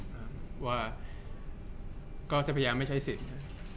จากความไม่เข้าจันทร์ของผู้ใหญ่ของพ่อกับแม่